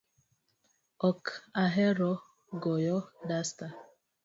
Ok ahero goyo dasta